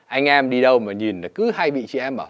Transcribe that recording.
anh em đi đâu mà nhìn cứ hay bị chị em bảo